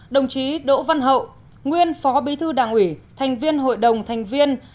đồng chí đỗ văn hậu nguyên phó bí thư đảng ủy thành viên hội đồng thành viên